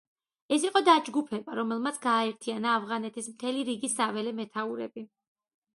ეს იყო დაჯგუფება, რომელმაც გააერთიანა ავღანეთის მთელი რიგი საველე მეთაურები.